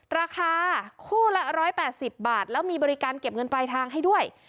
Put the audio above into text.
ราคาคู่ละ๑๘๐บาทแล้วมีบริการเก็บเงินปลายทางให้ด้วย